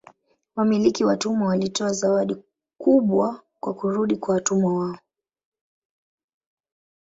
Wamiliki wa watumwa walitoa zawadi kubwa kwa kurudi kwa watumwa wao.